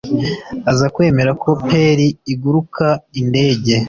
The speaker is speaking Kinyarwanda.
Azakwemera ko peri iguruka indege